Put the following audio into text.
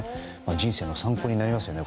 人生の参考になりますね